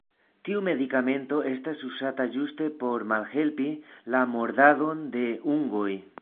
Tiu medikamento estas uzata ĝuste por malhelpi la mordadon de ungoj.